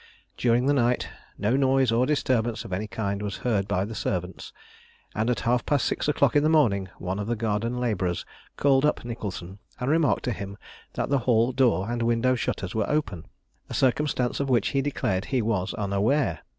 During the night no noise or disturbance of any kind was heard by the servants, and at half past six o'clock in the morning one of the garden labourers called up Nicholson and remarked to him that the hall door and window shutters were open, a circumstance of which he declared he was unaware.